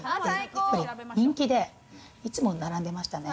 人気で、いつも並んでましたね。